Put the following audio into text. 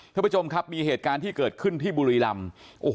ท่านผู้ชมครับมีเหตุการณ์ที่เกิดขึ้นที่บุรีรำ